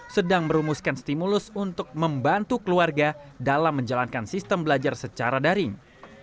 sedang merumuskan stimulus untuk membantu keluarga dalam menjalankan sistem belajar secara daring